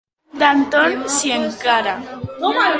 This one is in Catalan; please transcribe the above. Danton s'hi encara.